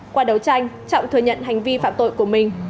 qua đấu tranh trọng thừa nhận hành vi phạm tội của mình